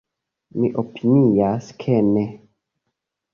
Mi opinias, ke ne.